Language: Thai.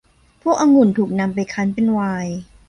พวกองุ่นถูกนำไปคั้นเป็นไวน์